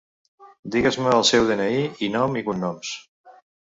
Digues-me el seu de-ena-i i nom i cognoms.